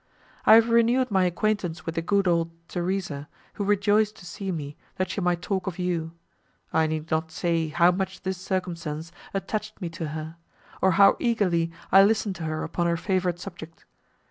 I have renewed my acquaintance with the good old Theresa, who rejoiced to see me, that she might talk of you: I need not say how much this circumstance attached me to her, or how eagerly I listened to her upon her favourite subject.